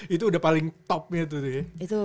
itu udah paling topnya tuh tuh ya